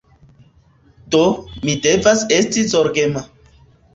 Do, mi devas esti zorgema